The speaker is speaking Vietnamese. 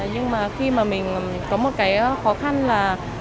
nhưng mà khi mà mình có một cái khó khăn là